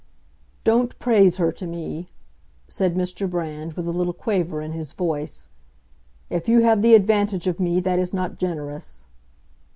"Don't praise her to me!" said Mr. Brand, with a little quaver in his voice. "If you have the advantage of me that is not generous."